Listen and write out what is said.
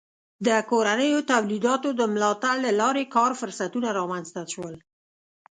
د کورنیو تولیداتو د ملاتړ له لارې کار فرصتونه رامنځته شول.